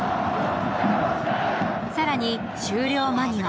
さらに、終了間際。